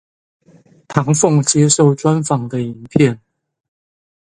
唐鳳接受專訪的影片